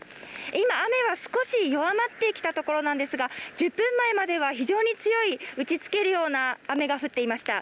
今、雨は少し弱まってきたところなんですが１０分前までは非常に強い、打ちつけるような雨が降っていました。